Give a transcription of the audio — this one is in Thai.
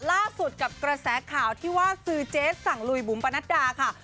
ล่าสุดกับกระแสข่าวที่ว่าซื้อเจ๊สั่งลุยบุ๋มปนัดดาค่ะ